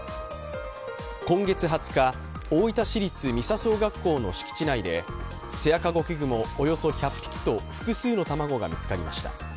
今月２０日、大分市立三佐小学校の敷地内でセアカゴケグモおよそ１００匹と複数の卵が見つかりました。